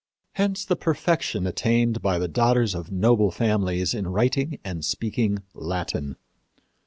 Hence the perfection attained by the daughters of noble families in writing and speaking Latin."